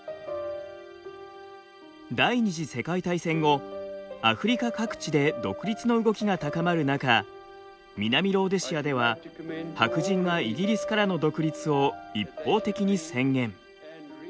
第２次世界大戦後アフリカ各地で独立の動きが高まる中南ローデシアでは白人がイギリスからの独立を一方的に宣言。